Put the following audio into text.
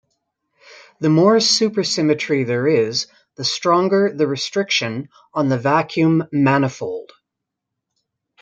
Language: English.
The more supersymmetry there is, the stronger the restriction on the vacuum manifold.